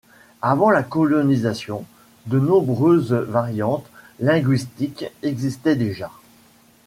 Avant la colonisation, de nombreuses variantes linguistiques existaient déjà.